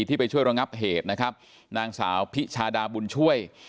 ไปช่วยระงับเหตุนะครับนางสาวพิชาดาบุญช่วย